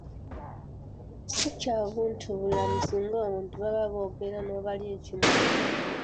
Si kya buntubulamu singa abantu baba boogera n’obalya ekimuli.